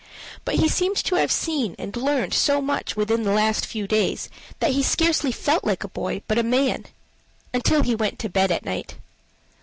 But he seemed to have seen and learned so much within the last few days that he scarcely felt like a boy, but a man until he went to bed at night.